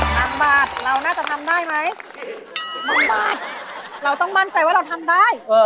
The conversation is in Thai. พันบาทเราน่าจะทำได้ไหมสิบหนึ่งบาทเราต้องมั่นใจว่าเราทำได้